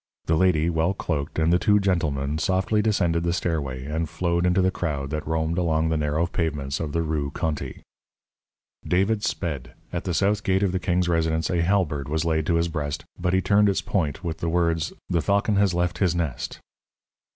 The lady, well cloaked, and the two gentlemen softly descended the stairway and flowed into the crowd that roamed along the narrow pavements of the Rue Conti. David sped. At the south gate of the king's residence a halberd was laid to his breast, but he turned its point with the words; "The falcon has left his nest."